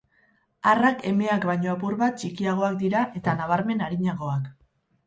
Arrak emeak baino apur bat txikiagoak dira eta nabarmen arinagoak.